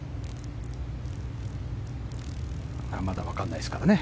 まだわからないですからね